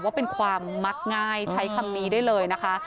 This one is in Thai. ว่าเป็นความมักง่ายใช้คำนี้ได้เลยนะคะ